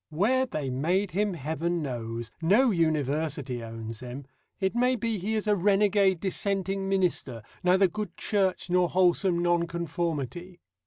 Where they made him Heaven knows. No university owns him. It may be he is a renegade Dissenting minister, neither good Church nor wholesome Nonconformity.